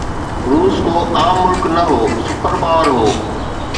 روس ڪو عام ملڪ نه هو، سپر پاور هو.